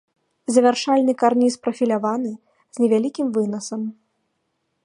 Завяршальны карніз прафіляваны, з невялікім вынасам.